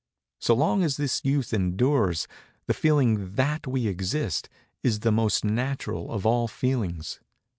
So long as this Youth endures, the feeling that we exist, is the most natural of all feelings.